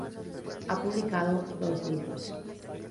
Ha publicado dos libros.